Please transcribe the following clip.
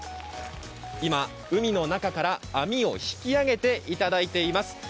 今、海の中から網を引き揚げていただいています。